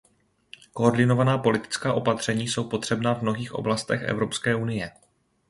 Koordinovaná politická opatření jsou potřebná v mnohých oblastech Evropské unie.